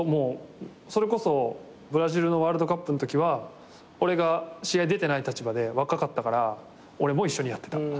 それこそブラジルのワールドカップんときは俺が試合出てない立場で若かったから俺も一緒にやってた。